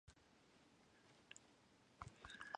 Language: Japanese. ご不明な点がございましたらお知らせください。